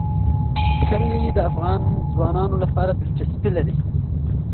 کلي د افغان ځوانانو لپاره دلچسپي لري.